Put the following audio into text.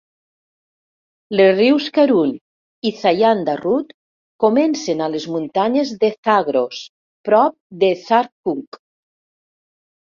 Les rius Karun i Zayanda-Rud comencen a les muntanyes de Zagros, prop de Zardkuh.